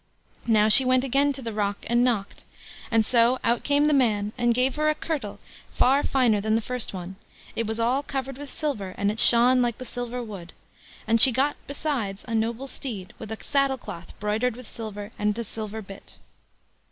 Now she went again to the rock and knocked, and so out came the man, and gave her a kirtle far finer than the first one; it was all covered with silver, and it shone like the silver wood; and she got besides a noble steed, with a saddle cloth broidered with silver, and a silver bit.